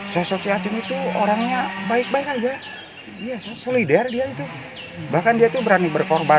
sosoknya itu orangnya baik baik aja ya solidar dia itu bahkan dia itu berani berkorban